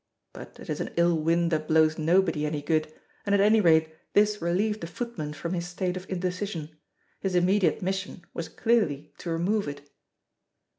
But it is an ill wind that blows nobody any good, and at any rate this relieved the footman from his state of indecision. His immediate mission was clearly to remove it.